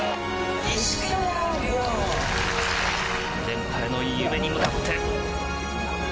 連覇への夢に向かって。